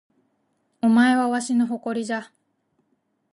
お前はわしの誇りじゃ